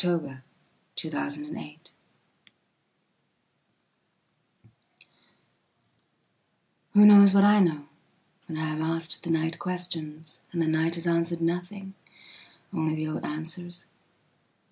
Nights Nothings Again WHO knows what I knowwhen I have asked the night questionsand the night has answered nothingonly the old answers?